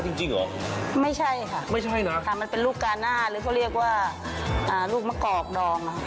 หรือพอเรียกว่าลูกมะกอกดอง